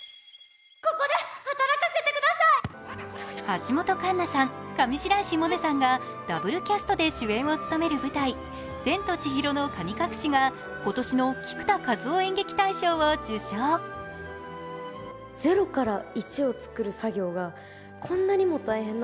橋本環奈さん、上白石萌音さんがダブルキャストで主演を務める舞台「千と千尋の神隠し」が今年の菊田一夫